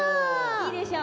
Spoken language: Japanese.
いいでしょ！